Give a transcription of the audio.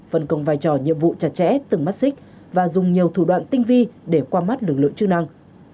phân công vai trò nhiệm vụ chặt chẽ từng mắt xích và dùng nhiều thủ đoạn tinh vi để qua mắt lực lượng chức năng